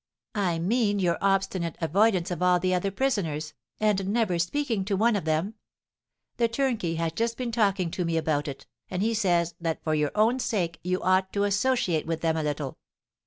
"I mean your obstinate avoidance of all the other prisoners, and never speaking to one of them; the turnkey has just been talking to me about it, and he says that for your own sake you ought to associate with them a little.